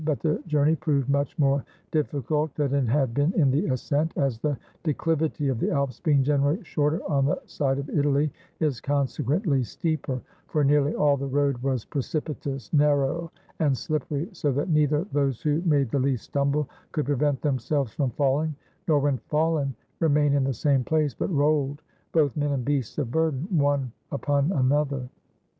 But the journey proved much more difficult than it had been in the ascent, as the de clivity of the Alps being generally shorter on the side of Italy is consequently steeper; for nearly all the road was precipitous, narrow, and slippery, so that neither those who made the least stumble could prevent themselves from falling, nor, when fallen, remain in the same place, but rolled, both men and beasts of burden, one upon another.